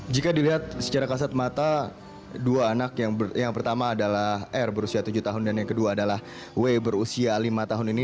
jika dilihat secara kasat mata dua anak yang pertama adalah r berusia tujuh tahun dan yang kedua adalah w berusia lima tahun ini